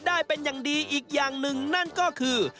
ได้เป็นอย่างดีอีกอย่างหนึ่งนั่นก็คือ